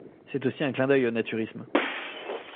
C'est aussi un clin d'œil au naturisme.